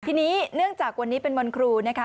ทีนี้เนื่องจากวันนี้เป็นวันครูนะคะ